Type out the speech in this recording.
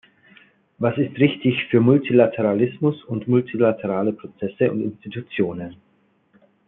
Was ist richtig für Multilateralismus und multilaterale Prozesse und Institutionen?